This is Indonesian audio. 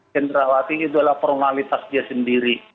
cendrawati itu adalah formalitas dia sendiri